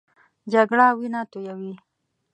جګړه وینه تویوي